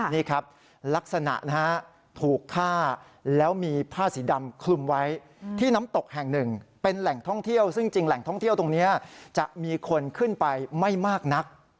นี่ครับลักษณะนะฮะถูกฆ่าแล้วมีผ้าสีดำคลุมไว้ที่น้ำตกแห่งหนึ่งเป็นแหล่งท่องเที่ยวซึ่งจริงแหล่งท่องเที่ยวตรงนี้จะมีคนขึ้นไปไม่มากนัก